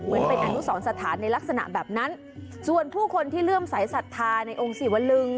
เป็นอนุสรสถานในลักษณะแบบนั้นส่วนผู้คนที่เลื่อมสายศรัทธาในองค์ศิวลึง